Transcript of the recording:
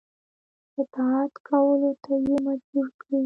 اطاعت کولو ته یې مجبور کړي.